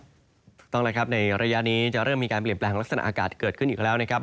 ถูกต้องแล้วครับในระยะนี้จะเริ่มมีการเปลี่ยนแปลงลักษณะอากาศเกิดขึ้นอีกแล้วนะครับ